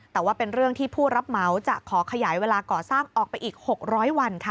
แต่ว่าเป็นเรื่องที่ผู้รับเหมาจะขอขยายเวลาก่อสร้างออกไปอีก๖๐๐วันค่ะ